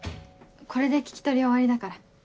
これで聞き取り終わりだから。